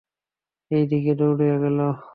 এই দিকে দৌড়ে গেল।